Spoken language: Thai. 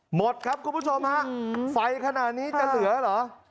หมดครับคุณผู้ชมฮะไฟขนาดนี้จะเหลือเหรอ